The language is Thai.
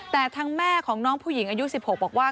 แต่ทางแม่ของน้องผู้หญิงอายุ๑๖บอกว่า